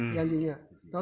sudah dibayar belum